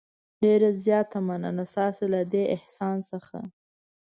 ډېره زیاته مننه ستاسې له دې احسان څخه.